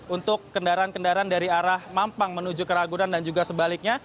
untuk kendaraan kendaraan dari arah mampang menuju ke ragunan dan juga sebaliknya